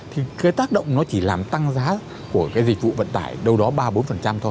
thì cái tác động nó chỉ làm tăng giá của cái dịch vụ vận tải đâu đó ba mươi bốn thôi